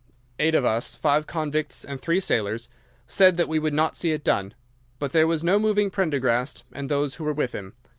Eight of us, five convicts and three sailors, said that we would not see it done. But there was no moving Prendergast and those who were with him.